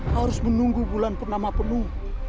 harus menunggu bulan purnama penuh